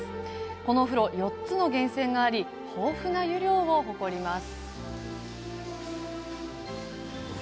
このお風呂、４つの源泉があり豊富な湯量を誇ります。